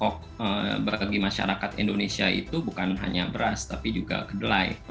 pokok berbagi masyarakat indonesia itu bukan hanya beras tapi juga kedelai